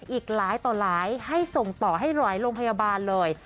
อีกหลายต่อหลายให้ส่งต่อให้หลายโรงพยาบาลเลย